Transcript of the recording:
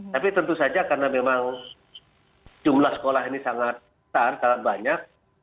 tapi tentu saja karena memang jumlah sekolah ini sangat besar sangat banyak